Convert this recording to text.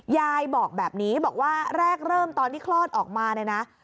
ยายบอกแบบนี้บอกว่าแรกเริ่มตอนที่คลอดออกมาเนี่ยนะ